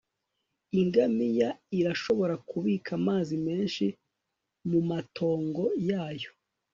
ingamiya irashobora kubika amazi menshi mumatongo yayo